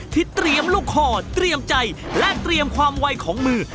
ที่เตรียมลูกคอเตรียมใจและเตรียมความไวของมือ